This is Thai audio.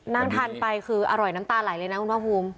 นั่งทานไปคืออร่อยน้ำตาไหลเลยนะคุณภาคภูมิ